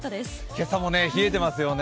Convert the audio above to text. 今朝も冷えてますよね。